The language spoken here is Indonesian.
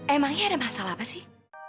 emangnya ada masalah apa sih